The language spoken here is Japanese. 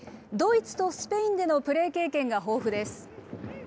ドイツとスペインでのプレー経験が豊富です。